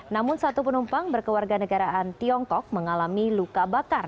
namun satu penumpang berkeluarga negaraan tiongkok mengalami luka bakar